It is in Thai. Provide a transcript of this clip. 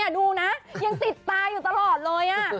ดูนะยังติดตาอยู่ตลอดเลย